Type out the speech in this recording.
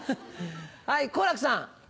はい好楽さん。